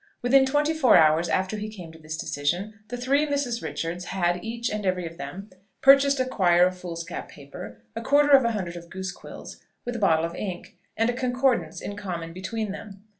Within twenty four hours after he came to this decision, the three Misses Richards had, each and every of them, purchased a quire of foolscap paper, a quarter of a hundred of goose quills, with a bottle of ink, and a Concordance, in common between them.